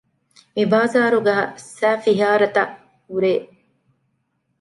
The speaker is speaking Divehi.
މިބާޒާރުގައި ސައިފިހާރަތައް ހުރޭ